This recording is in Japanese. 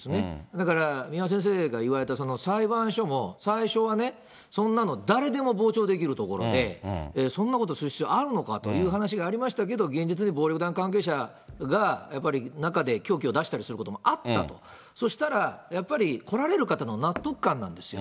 だから、三輪先生が言われた裁判所も、最初はね、そんなの誰でも傍聴できる所で、そんなことする必要があるのかという話がありましたけど、現実に暴力団関係者が、やっぱり中で凶器を出したりすることもあったと、そしたら、やっぱり来られる方の納得感なんですよ。